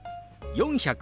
「４００」。